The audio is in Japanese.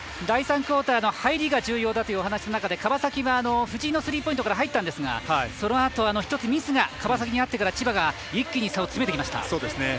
第３クオーターの入りが重要だというお話で川崎は藤井のスリーポイントから入ったんですがそのあと、１つミスが川崎にあってから千葉が一気に差を詰めてきました。